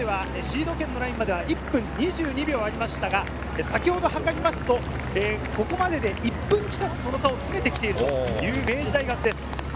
小田原中継所ではシード権のラインまでは１分２２秒ありましたが、先ほど測りますとここまでで１分近くその差を詰めてきているという明治大学です。